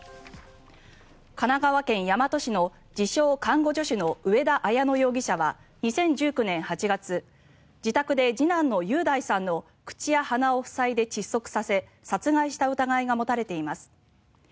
神奈川県大和市の自称・看護助手の上田綾乃容疑者は２０１９年８月自宅で次男の雄大さんの口や鼻を塞いで窒息させ殺害した疑いが持たれています。